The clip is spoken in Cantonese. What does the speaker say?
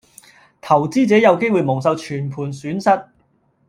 投資者有機會蒙受全盤損失